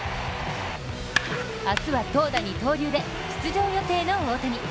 明日は投打二刀流で出場予定の大谷。